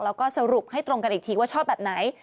แล้วก็สรุปให้ตรงกันอีกทีว่าชอบแบบไหน